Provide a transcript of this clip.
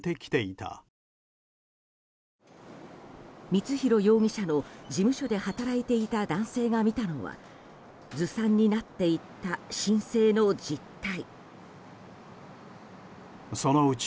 光弘容疑者の事務所で働いていた男性が見たのはずさんになっていった申請の実態。